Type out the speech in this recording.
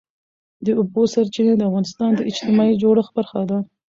د اوبو سرچینې د افغانستان د اجتماعي جوړښت برخه ده.